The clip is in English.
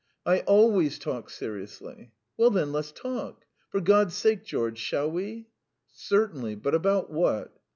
"I always talk seriously." "Well, then, let us talk. For God's sake, George. ... Shall we?" "Certainly, but about what?"